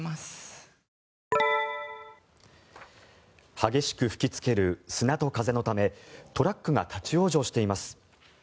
激しく吹きつける砂と風のためトラックが立ち往生しています。